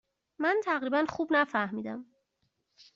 من تقریبا خوب نفهمیدم.